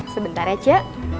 sebentar ya ce